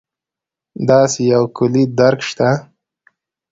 داسې یو کُلي درک شته.